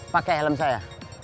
pakai helm saya